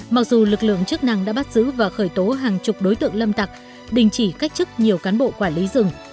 mặc dù lực lượng chức năng đã bắt giữ và khởi tố hàng chục đối tượng lâm tặc đình chỉ cách chức nhiều cán bộ quản lý rừng